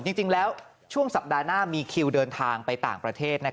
จริงแล้วช่วงสัปดาห์หน้ามีคิวเดินทางไปต่างประเทศ